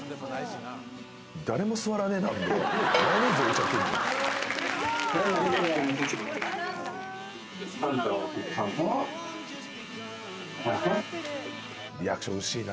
誰も座らねぇな。